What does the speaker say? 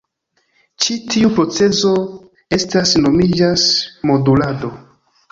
Ĉi tiu procezo estas nomiĝas "modulado.